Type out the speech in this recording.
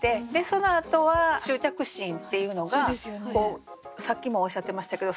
そのあとは「執着心」っていうのがさっきもおっしゃってましたけど